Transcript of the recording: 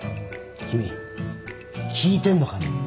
君聞いてんのかね？